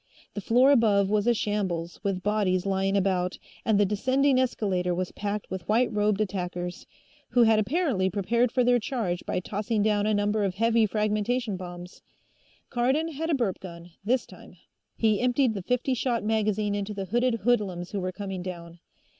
The floor above was a shambles, with bodies lying about, and the descending escalator was packed with white robed attackers, who had apparently prepared for their charge by tossing down a number of heavy fragmentation bombs. Cardon had a burp gun, this time; he emptied the fifty shot magazine into the hooded hoodlums who were coming down.